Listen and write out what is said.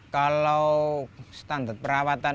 kalau standar perawatan